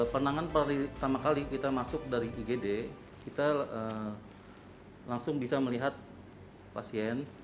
penanganan pertama kali kita masuk dari igd kita langsung bisa melihat pasien